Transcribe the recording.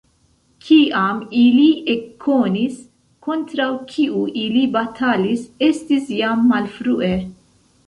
Kiam ili ekkonis kontraŭ kiu ili batalis, estis jam malfrue.